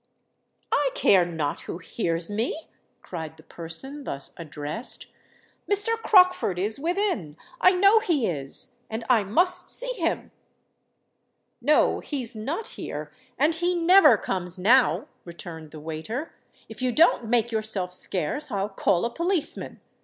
"I care not who hears me!" cried the person thus addressed: "Mr. Crockford is within—I know he is; and I must see him." "No—he's not here—and he never comes now," returned the waiter. "If you don't make yourself scarce, I'll call a policeman.